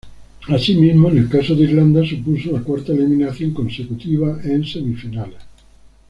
Así mismo, en el caso de Irlanda, supuso la cuarta eliminación consecutiva en semifinales.